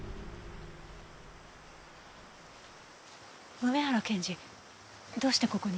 梅原検事どうしてここに？